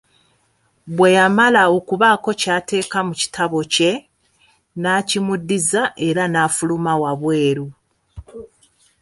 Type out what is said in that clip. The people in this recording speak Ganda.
Bwe yamala okubaako ky'ateeka mu kitabo kye, n’akimuddiza era n’afuluma wabweru.